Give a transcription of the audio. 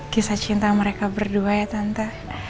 kisah cinta mereka berdua ya tante